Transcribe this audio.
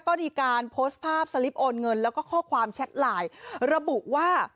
ก็มีการโพสต์ภาพสลิปโอนเงินแล้วก็ข้อความแชทไลน์ระบุว่า